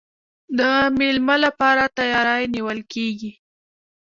د میلمه لپاره تیاری نیول کیږي.